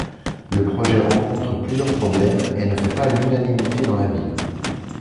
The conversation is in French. Le projet rencontre plusieurs problèmes et ne fait pas l'unanimité dans la Ville.